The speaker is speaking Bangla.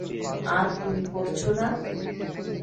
আর তুমি করছ না?